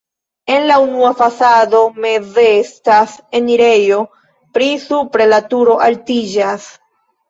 En la unua fasado meze estas enirejo, pli supre la turo altiĝas.